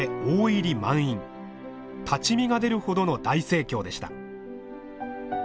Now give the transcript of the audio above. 立ち見が出るほどの大盛況でした。